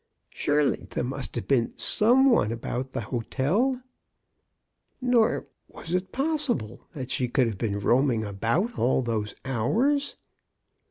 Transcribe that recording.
"Surely there must have been some one about the hotel ! Nor was it possible that she could have been roaming about all those hours."